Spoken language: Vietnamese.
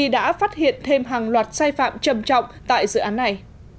đã phát hiện thêm hàng loạt sai phạm trầm trọng tại dự án này